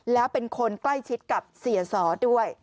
แล้วเป็นคนใกล้ชิดกับเสียสอด้วย